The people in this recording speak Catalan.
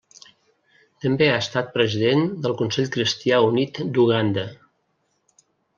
També ha estat president del Consell Cristià Unit d'Uganda.